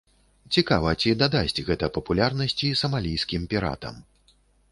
Цікава, ці дадасць гэта папулярнасці самалійскім піратам.